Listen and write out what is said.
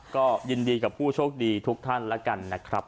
ก็ยินดีกับผู้โชคดีทุกท่านแล้วกันนะครับ